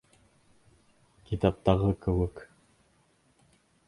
Китаптағы кеүек.